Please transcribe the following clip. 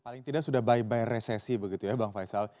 paling tidak sudah bye bye resesi begitu ya bang faisal